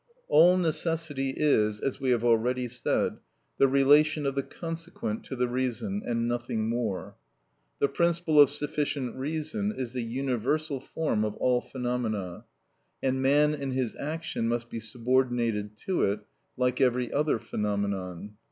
All necessity is, as we have already said, the relation of the consequent to the reason, and nothing more. The principle of sufficient reason is the universal form of all phenomena, and man in his action must be subordinated to it like every other phenomenon.